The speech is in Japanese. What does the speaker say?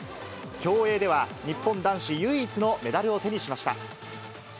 競泳では日本男子唯一のメダルを手にしました。